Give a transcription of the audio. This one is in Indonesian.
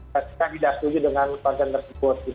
ketika tidak setuju dengan konten tersebut